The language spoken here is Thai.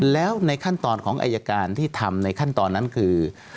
แล้วในขั้นตอนของอายการที่ทำในขั้นตอนนั้นคือ